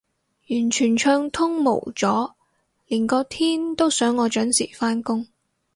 完全暢通無阻，連個天都想我準時返工